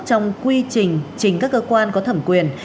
trong quy trình trình các cơ quan có thẩm quyền